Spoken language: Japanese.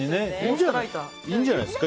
いいんじゃないですか？